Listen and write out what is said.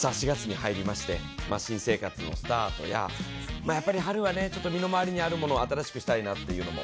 ４月に入りまして、新生活のスタートややっぱり春は身の回りにあるものを新しくしたいとか。